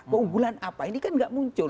keunggulan apa ini kan nggak muncul